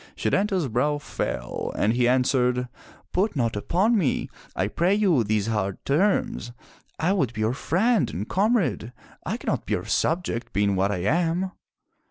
'* Setanta's brow fell and he answered, "Put not upon me, I pray you, these hard terms. I would be your friend and com rade. I cannot be your subject, being what I am.''